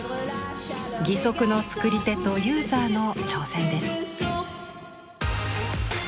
義足の作り手とユーザーの挑戦です。